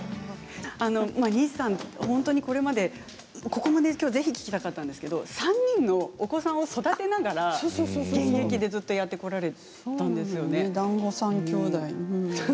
西さん、本当にこれまでここもね、きょうぜひ聞きたかったんですけど３人のお子さんを育てながら現役でずっとそうなのよね、だんご３兄弟。